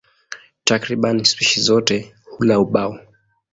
Takriban spishi zote hula ubao.